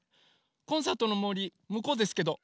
コンサートのもりむこうですけど。